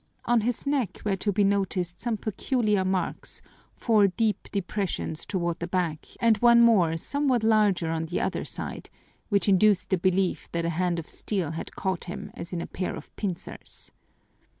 On his neck were to be noticed some peculiar marks, four deep depressions toward the back and one more somewhat larger on the other side, which induced the belief that a hand of steel had caught him as in a pair of pincers.